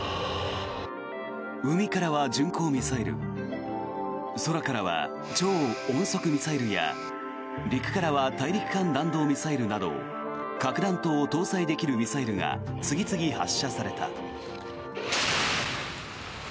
海からは巡航ミサイル空からは超音速ミサイルや陸からは大陸間弾道ミサイルなど核弾頭を搭載できるミサイルが次々発射された。